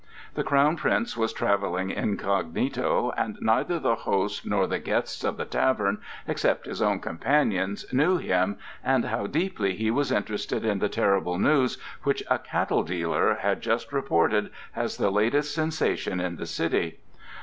The Crown Prince was travelling incognito, and neither the host nor the guests of the tavern, except his own companions, knew him and how deeply he was interested in the terrible news which a cattle dealer had just reported as the latest sensation in the city.